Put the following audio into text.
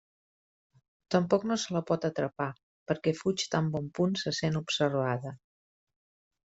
Tampoc no se la pot atrapar perquè fuig tan bon punt se sent observada.